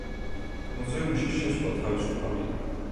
მუზეუმში შესვლა თავისუფალია.